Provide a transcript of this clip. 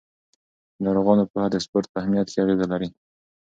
د ناروغانو پوهه د سپورت په اهمیت کې اغېزه لري.